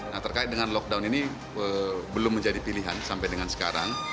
nah terkait dengan lockdown ini belum menjadi pilihan sampai dengan sekarang